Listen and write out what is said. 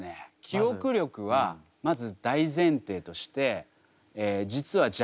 記憶力はまず大前提として実は若干差があります。